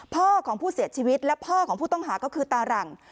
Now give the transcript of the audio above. พ่อของผู้เสียชีวิตและพ่อของผู้ต้องหาก็คือตาหลัง